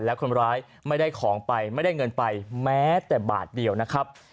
และคนร้ายไม่ได้ของไปไม่ได้เงินไปแม้แต่บาทเดียวนะครับ